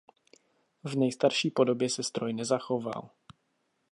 V nejstarší podobě se stroj nezachoval.